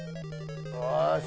よし！